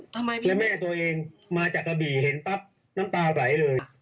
และแม่ตัวเองมาจากกะบี่เห็นปั๊บน้ำตาไหลเลย